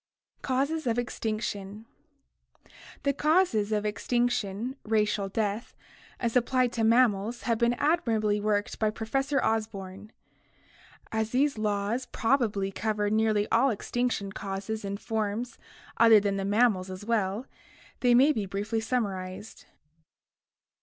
Causes of Extinction The causes of extinction (racial death) as applied to mammals have been admirably worked out by Professor Osborn (1906). As these laws probably cover nearly all extinction causes in forms other than the mammals as well, they may be briefly summarized.